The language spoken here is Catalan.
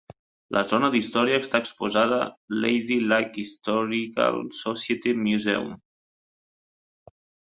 La zona d'història està exposada Lady Lake Historical Society Museum.